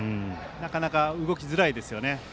なかなか動きづらいですよね。